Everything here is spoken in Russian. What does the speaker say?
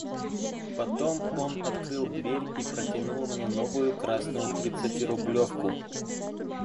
Потом он открыл дверь и протянул мне новую красную тридцатирублевку.